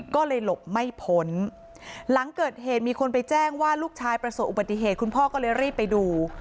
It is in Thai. ก็เลยหลบไม่พ้นหลังเกิดเหตุมีคนไปแจ้งว่าลูกชายประสบอุบัติเหตุคุณพ่อก็เลยรีบไปดู